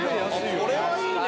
これはいいね